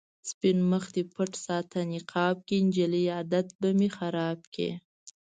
سپين مخ دې پټ ساته نقاب کې، جلۍ عادت به مې خراب کړې